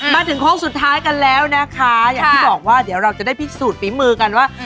มาถึงโค้งสุดท้ายกันแล้วนะคะอย่างที่บอกว่าเดี๋ยวเราจะได้พิสูจนฝีมือกันว่า